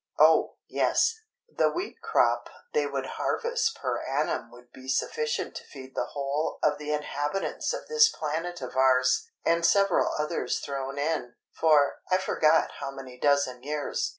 —Oh, yes, the wheat crop they would harvest per annum would be sufficient to feed the whole of the inhabitants of this planet of ours, and several others thrown in, for—I forgot how many dozen years.